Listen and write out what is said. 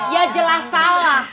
ya jelas salah